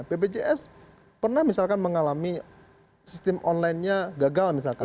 bpjs pernah misalkan mengalami sistem online nya gagal misalkan